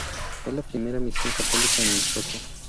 Fue la primera misión católica en Lesotho.